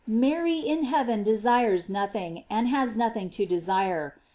Mary in heaven desires nothing, and has nothing to desire.